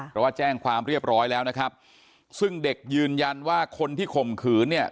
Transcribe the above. เพราะว่าแจ้งความเรียบร้อยแล้วนะครับซึ่งเด็กยืนยันว่าคนที่ข่มขืนเนี่ย